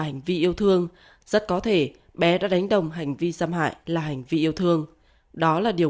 hành vi yêu thương rất có thể bé đã đánh đồng hành vi xâm hại là hành vi yêu thương đó là điều